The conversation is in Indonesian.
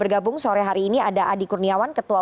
bergabung sore hari ini ada adi kurniawan ketua